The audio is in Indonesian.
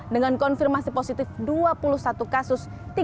dengan konfirmasi positif dua puluh satu kasus